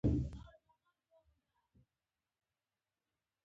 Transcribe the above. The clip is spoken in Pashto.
د دې بازار ختیځ خواته یو کیلومتر لرې هدیره ده.